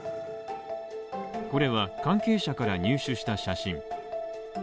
これは関係者から入手した写真。